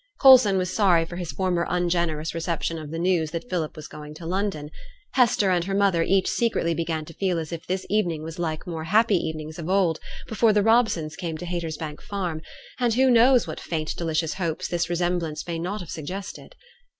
Coulson was sorry for his former ungenerous reception of the news that Philip was going to London; Hester and her mother each secretly began to feel as if this evening was like more happy evenings of old, before the Robsons came to Haytersbank Farm; and who knows what faint delicious hopes this resemblance may not have suggested?